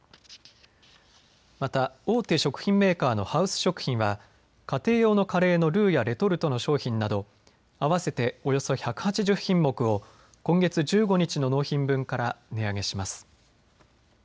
また大手食品メーカーのハウス食品は家庭用のカレーのルーやレトルトの商品など合わせておよそ１８０品目を今月１５日の納品分から値上げします。